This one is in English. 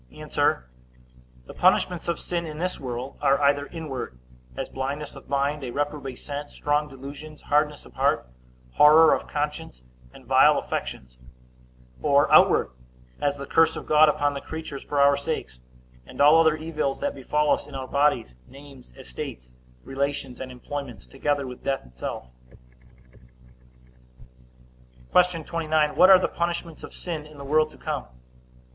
A. The punishments of sin in this world are either inward, as blindness of mind, a reprobate sense, strong delusions, hardness of heart, horror of conscience, and vile affections; or outward, as the curse of God upon the creatures for our sakes, and all other evils that befall us in our bodies, names, estates, relations, and employments; together with death itself. Q. 29. What are the punishments of sin in the world to come?